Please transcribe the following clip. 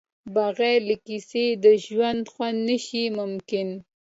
بغیر له کیسې د ژوند خوند نشي ممکن.